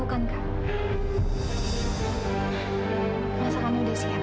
masa kamu sudah siap